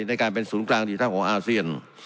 ในการเป็นศูนย์กลางดิจิทัลของอาเซียน